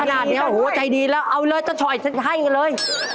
ขนาดนี้หูวใจดีเล่าเอาเลยตะฉอยทุกคนให้เลย